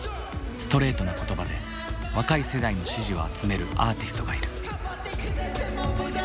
ストレートな言葉で若い世代の支持を集めるアーティストがいる。